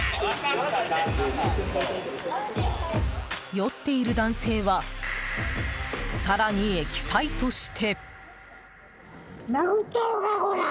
酔っている男性は更にエキサイトして。